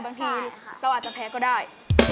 บางทีเราอาจจะแพ้ก็ได้